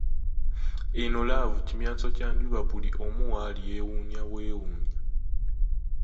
Eno laavu kimyanso kya njuba buli omu waali yeewuunya bwewuunya.